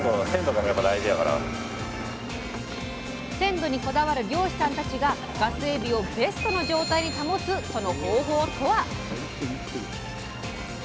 鮮度にこだわる漁師さんたちがガスエビをベストの状態に保つその方法とは？